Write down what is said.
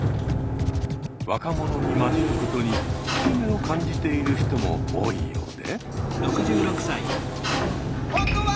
若者に交じることに引け目を感じている人も多いようで。